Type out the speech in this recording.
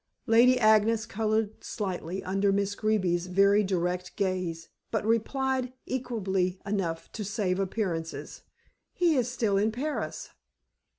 Lady Agnes colored slightly under Miss Greeby's very direct gaze, but replied equably enough, to save appearances, "He is still in Paris."